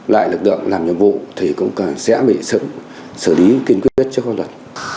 lại lực lượng làm nhiệm vụ thì cũng sẽ bị xử lý kiên quyết trước con luật